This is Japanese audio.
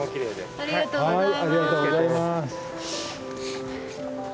ありがとうございます。